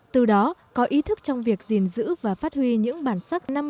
từ đó có ý thức trong việc gìn giữ và phát huy những bản sắc